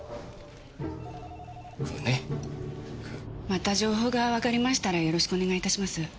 また情報がわかりましたらよろしくお願い致します。